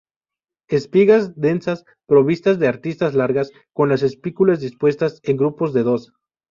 Espigas densas provistas de aristas largas, con las espículas dispuestas en grupos de dos.